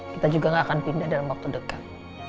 kita juga gak akan pindah dalam waktu dekat